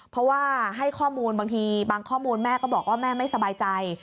เพราะว่าให้ข้อมูลบางทีบางข้อมูลแม่ก็บอกว่าแม่ไม่สบายใจ